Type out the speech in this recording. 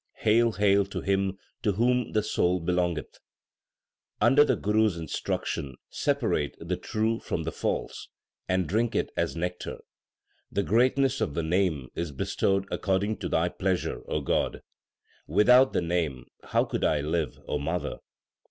Hail, hail to Him to whom the soul belongeth ! Under the Guru s instruction separate the true from the false, and drink it as nectar. The greatness of the Name is bestowed according to Thy pleasure, God. Without the Name how could I live, O mother